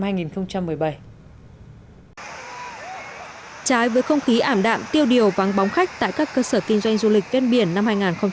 trái với không khí ảm đạm tiêu điều vắng bóng khách tại các cơ sở kinh doanh du lịch viên biển năm hai nghìn một mươi sáu